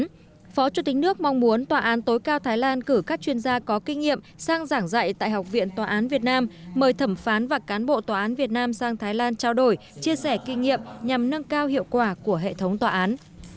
trong đó phó chủ tịch nước mong muốn tòa án tối cao thái lan cử các chuyên gia có kinh nghiệm sang giảng dạy tại học viện tòa án việt nam mời thẩm phán và cán bộ tòa án việt nam sang thái lan trao đổi chia sẻ kinh nghiệm nhằm nâng cao hiệu quả của hệ thống tòa án